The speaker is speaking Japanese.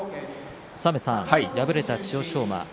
敗れた千代翔馬です。